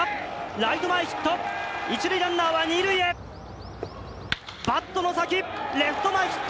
ライト前ヒット１塁ランナーは２塁へバットの先レフト前ヒット